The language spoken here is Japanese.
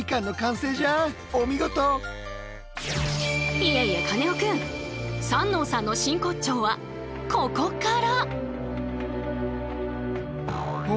いえいえカネオくん三納さんの真骨頂はここから！